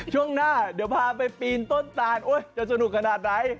ช่วงหน้าเดี๋ยวพาไปปีนต้นตานจะสนุกขนาดไหน